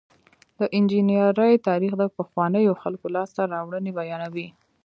د انجنیری تاریخ د پخوانیو خلکو لاسته راوړنې بیانوي.